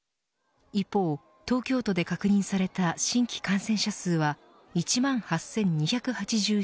一方、東京都で確認された新規感染者数は１万８２８７人。